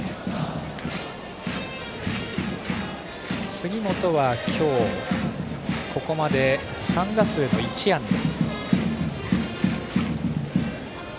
杉本は今日ここまで３打数の１安打。